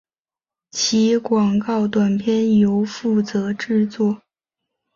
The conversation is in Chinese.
其广告短片由负责制作。